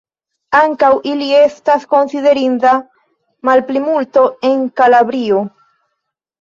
Ankaŭ ili estas konsiderinda malplimulto en Kalabrio.